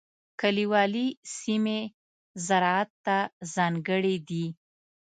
کلیوالي سیمې زراعت ته ځانګړې دي.